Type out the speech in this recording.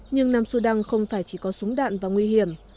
nhưng nam su đăng không phải chỉ có súng đạn và nguy hiểm